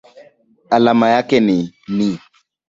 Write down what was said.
Alama yake ni Ni.